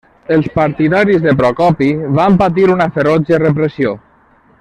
Els partidaris de Procopi van patir una ferotge repressió.